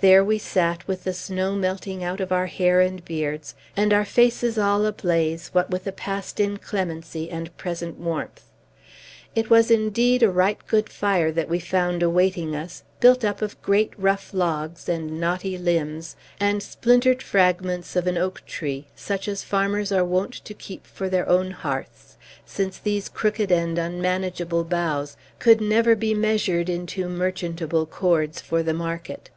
There we sat, with the snow melting out of our hair and beards, and our faces all ablaze, what with the past inclemency and present warmth. It was, indeed, a right good fire that we found awaiting us, built up of great, rough logs, and knotty limbs, and splintered fragments of an oak tree, such as farmers are wont to keep for their own hearths, since these crooked and unmanageable boughs could never be measured into merchantable cords for the market.